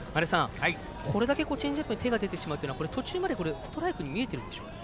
これだけチェンジアップに手が出てしまうのはこれ途中までストライクに見えているんでしょうか？